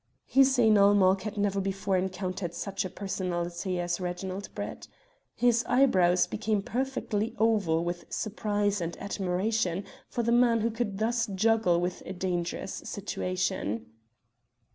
Hussein ul Mulk had never before encountered such a personality as Reginald Brett. His eyebrows became perfectly oval with surprise and admiration for the man who could thus juggle with a dangerous situation.